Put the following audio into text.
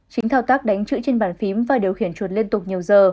chính thao tác đánh chữ trên bàn phím và điều khiển chuột liên tục nhiều giờ